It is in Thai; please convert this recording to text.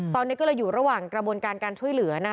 ตอนนี้ก็เลยอยู่ระหว่างกระบวนการการช่วยเหลือนะคะ